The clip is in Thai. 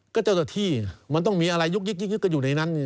ก็เจ้าหน้าที่มันต้องมีอะไรยุกยึกกันอยู่ในนั้น